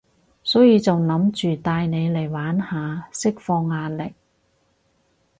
所以就諗住帶你嚟玩下，釋放壓力